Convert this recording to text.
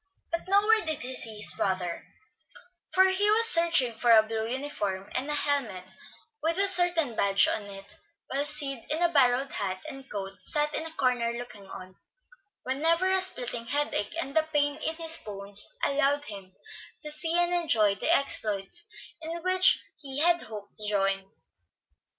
But nowhere did he see his brother; for he was searching for a blue uniform and a helmet with a certain badge on it, while Sid in a borrowed hat and coat sat in a corner looking on, whenever a splitting headache and the pain in his bones allowed him to see and enjoy the exploits in which he had hoped to join.